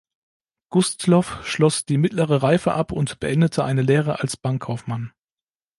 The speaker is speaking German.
Gustloff schloss die mittlere Reife ab und beendete eine Lehre als Bankkaufmann.